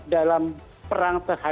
dalam perang tersebut